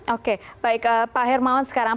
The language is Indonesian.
oke baik pak hermawan sekarang